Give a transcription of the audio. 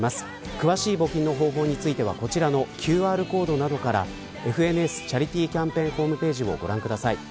詳しい募金の方法についてはＱＲコードなどからＦＮＳチャリティキャンペーンホームページをご覧ください。